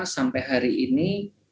sampai hari ini